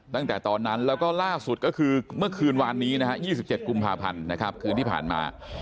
ตั้งแต่ตอนนั้นแล้วก็ล่าสุดก็คือเมื่อคืนวานนี้นะฮะ๒๗กุมภาพันธ์นะครับคืนที่ผ่านมา